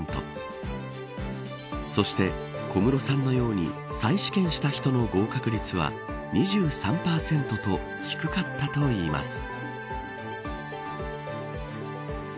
そして、小室さんのように再試験した人の合格率は２３％と低かったといいます。